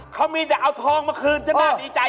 เขามีแต่เอาทองมาคืนจะได้ดีใจ